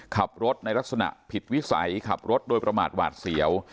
ขับรถในลักษณะผิดวิสัยขับรถโดยประมาทหวาดเสียว